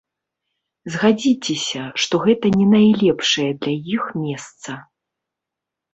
Згадзіцеся, што гэта не найлепшае для іх месца.